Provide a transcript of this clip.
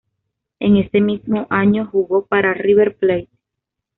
En ese mismo año jugó para River Plate.